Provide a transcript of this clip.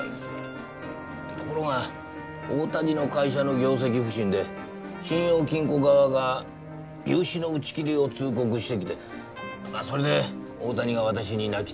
ところが大谷の会社の業績不振で信用金庫側が融資の打ち切りを通告してきてそれで大谷が私に泣きついてきて。